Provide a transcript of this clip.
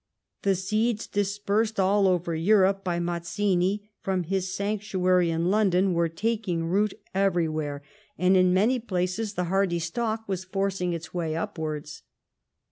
The seeds dis persed all over Europe by IMazzini from his sanctuary in London were taking root everywhere, and in many places DECLINE AND FALL OF HIS SYSTEM. 179 tlie hardy stalk was forcing its way upwards.